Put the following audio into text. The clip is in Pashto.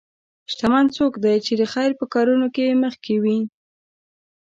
شتمن څوک دی چې د خیر په کارونو کې مخکې وي.